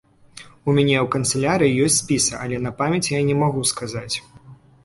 У мяне ў канцылярыі ёсць спісы, але на памяць я не магу сказаць.